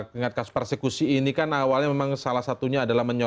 ya baik ingat kasus persekusi ini kan awalnya memang salah satunya adalah mencari